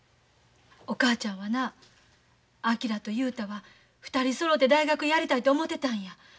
お母ちゃんはな昭と雄太は２人そろうて大学へやりたいと思てたんや。